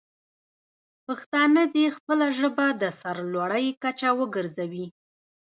پښتانه دې خپله ژبه د سر لوړۍ کچه وګرځوي.